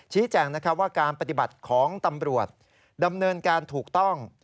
แจ้งว่าการปฏิบัติของตำรวจดำเนินการถูกต้อง